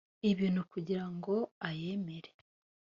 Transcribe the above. ibintu kugirango ayemere